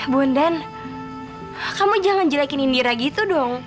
buan dan kamu jangan jelekin indira gitu dong